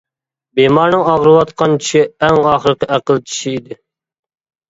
بىمارنىڭ ئاغرىۋاتقان چىشى ئەڭ ئاخىرقى ئەقىل چىشى ئىدى.